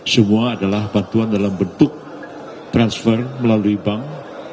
semua adalah bantuan dalam bentuk transfer melalui bank